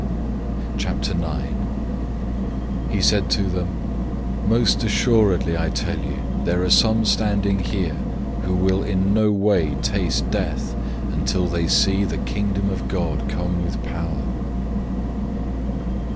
009:001 He said to them, "Most certainly I tell you, there are some standing here who will in no way taste death until they see the Kingdom of God come with power."